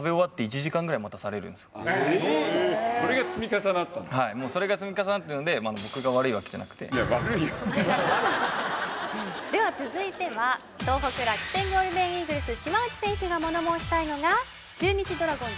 えっはいそれが積み重なってるのででは続いては東北楽天ゴールデンイーグルス島内選手が物申したいのが中日ドラゴンズ